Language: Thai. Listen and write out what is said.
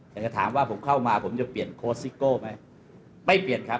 แต่จะถามว่าผมเข้ามาผมจะเปลี่ยนโค้ชซิโก้ไหมไม่เปลี่ยนครับ